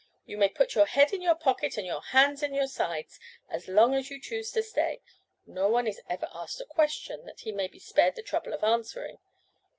You may put your head in your pocket and your hands in your sides as long as you choose to stay. No one is ever asked a question, that he may be spared the trouble of answering.